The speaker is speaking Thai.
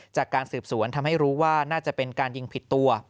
จากการสืบสวนทำให้รู้ว่าน่าจะเป็นการยิงผิดตัว